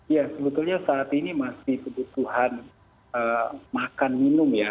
ya sebetulnya saat ini masih kebutuhan makan minum ya